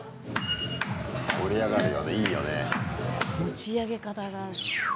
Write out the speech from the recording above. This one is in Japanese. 盛り上がるよね、いいよね。